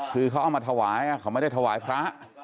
คือเขาเอามาถวายเขาไม่ได้ถวายพระ